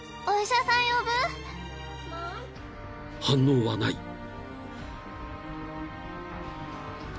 ［反応はない］